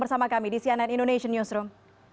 bersama kami di cnn indonesian newsroom